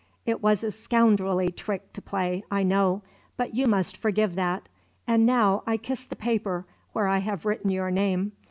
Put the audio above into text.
It was a scoundrelly trick to play, I know; but you must forgive that; and now I kiss the paper where I have written your name.